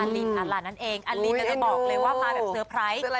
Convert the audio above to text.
ลินอันล่ะนั่นเองอลินจะบอกเลยว่ามาแบบเซอร์ไพรส์